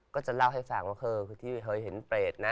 ก็จะเล่าให้ฟังว่าคือที่เคยเห็นเปรตนะ